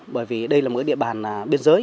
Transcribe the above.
bởi vì đây là một địa bàn biên giới